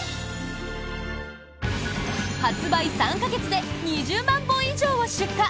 発売３か月で２０万本以上を出荷！